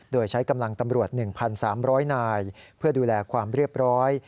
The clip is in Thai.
โดยใช้กำลังตำรวจ๑๓๐๐นายเพื่อดูแลความเรียบร้อย